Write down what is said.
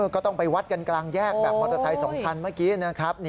ก็ต้องไปวัดกันกลางแยกแบบมอเตอร์ไซค์๒คันเมื่อกี้นะครับ